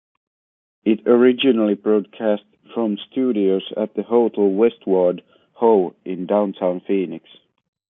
It originally broadcast from studios at the Hotel Westward Ho in downtown Phoenix.